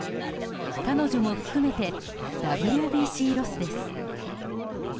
彼女も含めてＷＢＣロスです。